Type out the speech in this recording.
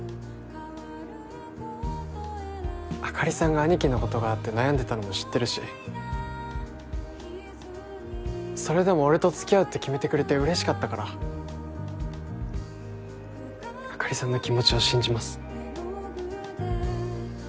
あかりさんが兄貴のことがあって悩んでたのも知ってるしそれでも俺と付き合うって決めてくれて嬉しかったからあかりさんの気持ちを信じます